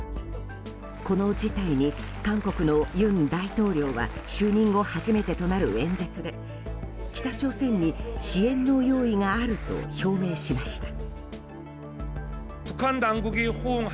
この事態に韓国の尹大統領は就任後初めてとなる演説で北朝鮮に支援の用意があると表明しました。